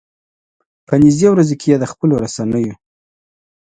په نږدې ورځو کې یې د خپلو رسنيو.